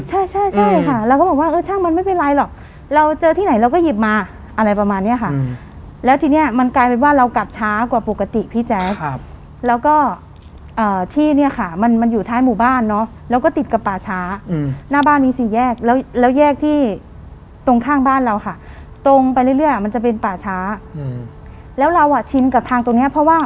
ใช่ใช่ใช่ค่ะเราก็บอกว่าเออช่างมันไม่เป็นไรหรอกเราเจอที่ไหนเราก็หยิบมาอะไรประมาณเนี้ยค่ะแล้วทีเนี้ยมันกลายเป็นว่าเรากลับช้ากว่าปกติพี่แจ๊คแล้วก็ที่เนี่ยค่ะมันมันอยู่ท้ายหมู่บ้านเนาะแล้วก็ติดกับป่าช้าหน้าบ้านมีสี่แยกแล้วแล้วแยกที่ตรงข้างบ้านเราค่ะตรงไปเรื่อยมันจะเป็นป่าช้าแล้วเราอ่ะชินกับทางตรงเนี้ยเพราะว่า